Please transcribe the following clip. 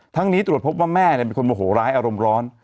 นี้ตรวจพบว่าแม่เป็นคนโมโหร้ายอารมณ์ร้อน